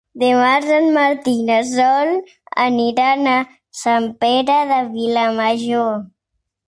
Dimarts en Martí i na Sol aniran a Sant Pere de Vilamajor.